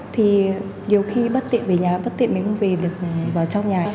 thì nhiều khi bất tiện về nhà bất tiện mình không về được vào trong nhà